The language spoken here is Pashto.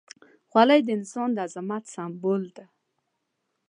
خولۍ د انسان د عظمت سمبول ده.